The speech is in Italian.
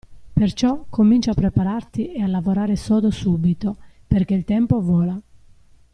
Perciò comincia a prepararti e a lavorare sodo subito perché il tempo vola.